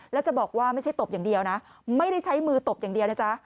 แล้วจะบอกว่าไม่ใช่ตบอย่างเดียวนะไม่ได้ใช้มือตบอย่างเดียวนะจ๊ะ